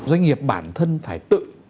doanh nghiệp bản thân phải tự